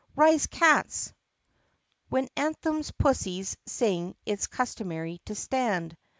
Rise, cats! ( When anthems pussies sing It's customary to stand.)